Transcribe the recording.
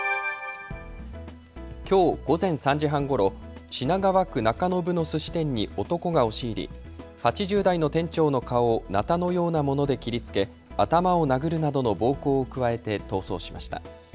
きょう午前３時半ごろ、品川区中延のすし店に男が押し入り、８０代の店長の顔をなたのようなもので切りつけ頭を殴るなどの暴行を加えて逃走しました。